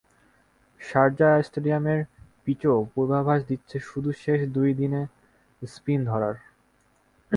Sharjah স্টেডিয়ামের পিচও পূর্বাভাস দিচ্ছে শুধু শেষ দুই দিনে স্পিন ধরার।